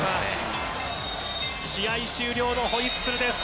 試合終了のホイッスルです。